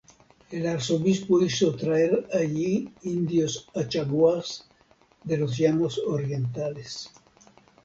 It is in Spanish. El arzobispo hizo traer allí indios Achaguas de los llanos orientales.